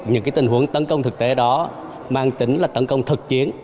những tình huống tấn công thực tế đó mang tính là tấn công thực chiến